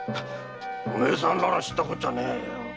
お前さんらが知ったこっちゃねえよ。